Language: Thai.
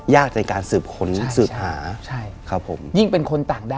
ยากในการสืบขนสืบหา